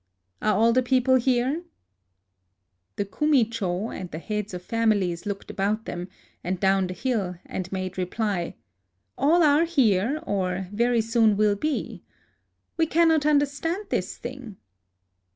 ... Are all the people here ?" The Kumi cho and the heads of families looked about them, and down the hill, and made reply :" All are here, or very soon will be. ... We cannot understand this thing."